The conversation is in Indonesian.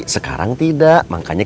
sekarang tidak lagi berjalan